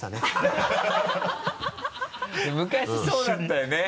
いや昔そうだったよね。